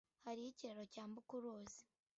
Hariho ikiraro cyambuka uruzi.